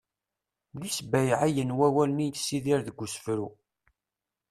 d isbayɛiyen wawalen i yessidir deg usefru